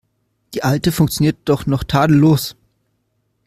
Die alte funktioniert doch noch tadellos.